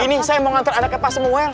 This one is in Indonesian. ini saya mau ngantar anaknya pak semuel